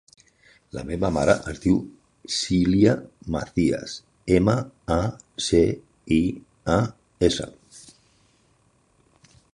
La meva mare es diu Silya Macias: ema, a, ce, i, a, essa.